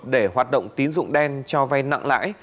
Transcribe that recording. để hoạt động tín dụng đen cho vay nặng lãi